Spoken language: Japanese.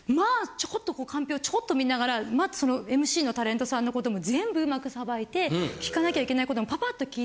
ちょこっとこうカンペをちょこっと見ながらＭＣのタレントさんのことも全部うまくさばいて聞かなきゃいけないこともパパっと聞い